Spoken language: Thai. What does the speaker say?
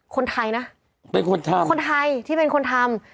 คนไทยที่เป็นคนทำ